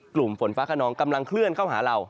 กลุ่มฝนฟ้าขนองกำลังเคลื่อนเข้าหาเรา